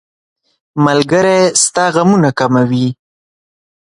ملګری ستا غمونه کموي.